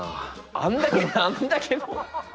あんだけあんだけ。